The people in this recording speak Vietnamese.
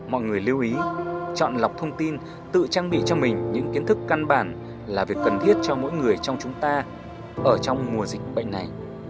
mọi người lưu ý chọn lọc thông tin tự trang bị cho mình những kiến thức căn bản là việc cần thiết cho mỗi người trong chúng ta ở trong mùa dịch bệnh này